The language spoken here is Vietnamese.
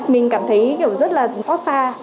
mình cảm thấy kiểu rất là xót xa